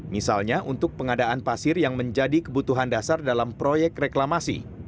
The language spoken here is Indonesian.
misalnya untuk pengadaan pasir yang menjadi kebutuhan dasar dalam proyek reklamasi